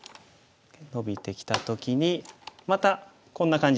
ノビてきた時にまたこんな感じで攻める。